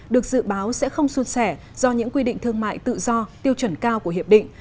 được dự báo sẽ không xuân sẻ do những quy định thương mại tự do tiêu chuẩn cao của hiệp định